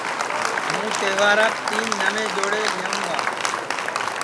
ہوں تہواراپ تین نئوے جوڑے لئوں گا